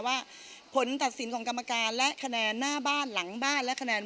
ว่าผลตัดสินของกรรมการและคะแนนหน้าบ้านหลังบ้านและคะแนน